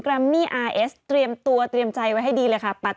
แรมมี่อาร์เอสเตรียมตัวเตรียมใจไว้ให้ดีเลยค่ะ